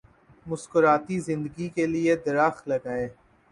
مسکراتی زندگی کے لیے درخت لگائیں۔